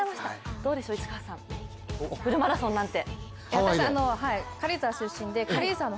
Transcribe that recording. どうでしょう、市川さんフルマラソンなんて。